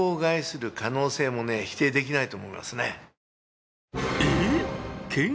否定できないと思いますね。